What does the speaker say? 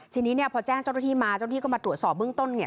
ทีนี้เนี่ยพอแจ้งเจ้าหน้าที่มาเจ้าหน้าที่ก็มาตรวจสอบเบื้องต้นเนี่ย